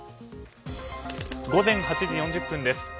午前８時４０分です。